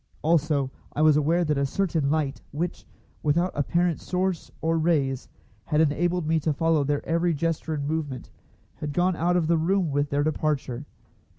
Also, I was aware that a certain light, which, without apparent source or rays, had enabled me to follow their every gesture and movement, had gone out of the room with their departure.